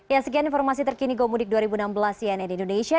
ya sekian informasi terkini gomudik dua ribu enam belas cnn indonesia